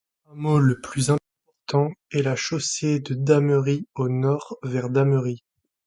Le hameau le plus important est la Chaussée de Damery, au nord, vers Damery.